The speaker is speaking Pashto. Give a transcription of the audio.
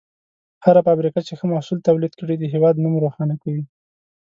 هره فابریکه چې ښه محصول تولید کړي، د هېواد نوم روښانه کوي.